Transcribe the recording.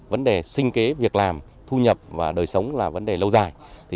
vấn đề sinh kế việc làm thu nhập và đời sống là vấn đề lâu dài